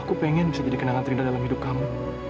aku pengen bisa jadi kenangan terindah dalam hidup kamu